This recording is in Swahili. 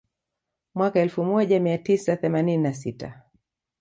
Mwaka elfu moja mia tisa themanini na sita